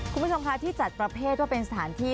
คุณผู้ชมคะที่จัดประเภทว่าเป็นสถานที่